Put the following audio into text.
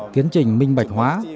tiến trình minh bạch hóa